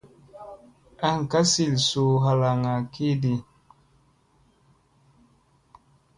Aŋ ka sil suu halaŋŋa kiɗi.